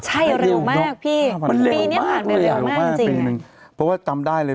ใช่เร็วมากพี่